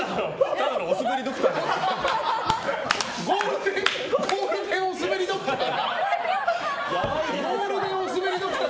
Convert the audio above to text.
ただのおスベリドクター。